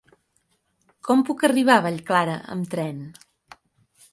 Com puc arribar a Vallclara amb tren?